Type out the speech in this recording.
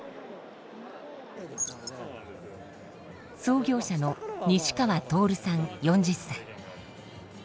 創業者の西川徹さん４０歳。